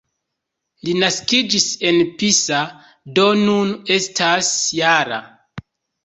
Li naskiĝis en Pisa, do nun estas -jara.